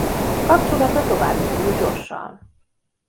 Kapcsolata tovább mélyül Josh-sal.